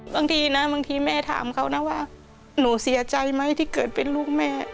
บางทีนะบางทีแม่ถามเขานะว่าหนูเสียใจไหมที่เกิดเป็นลูกแม่